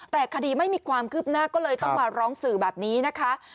แต่คดีไม่มีความคืบหน้าก็เลยต้องมาร้องสื่อแบบนี้นะคะ